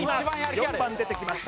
４番出てきました